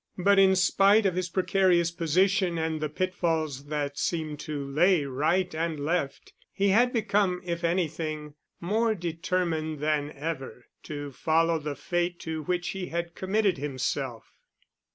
But in spite of his precarious position and the pitfalls that seemed to lay to right and left, he had become, if anything, more determined than ever to follow the fate to which he had committed himself.